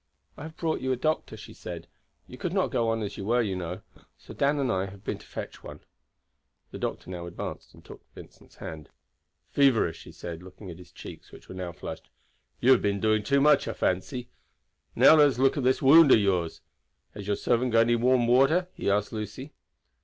"I have brought you a doctor," she said. "You could not go on as you were, you know. So Dan and I have been to fetch one." The doctor now advanced and took Vincent's hand. "Feverish," he said, looking at his cheeks, which were now flushed. "You have been doing too much, I fancy. Now let us look at this wound of yours. Has your servant got any warm water?" he asked Lucy.